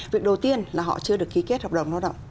việc đầu tiên là họ chưa được ký kết hợp đồng lao động